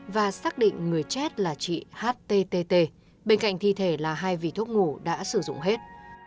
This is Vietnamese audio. và xác định người chết là chị htt bên cạnh thi thể là hai vỉ thuốc ngủ đã sử dụng hết